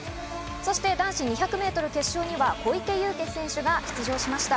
そして男子２００ｍ決勝には小池祐貴選手が出場しました。